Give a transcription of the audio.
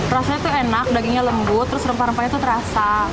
rasanya tuh enak dagingnya lembut terus rempah rempahnya tuh terasa